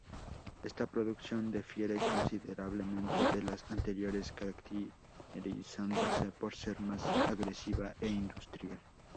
Esta producción difiere considerablemente de las anteriores, caracterizándose por ser más agresiva e industrial.